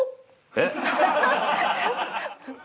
えっ？